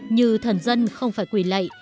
như thần dân không phải quỳ lệ